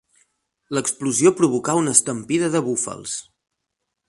L'explosió provocà una estampida de búfals.